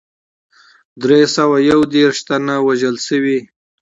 دری سوه یو دېرش تنه وژل شوي.